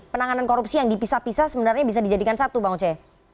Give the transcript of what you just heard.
penanganan korupsi yang dipisah pisah sebenarnya bisa dijadikan satu bang oce